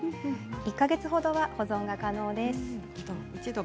１か月ほどは保存が可能です。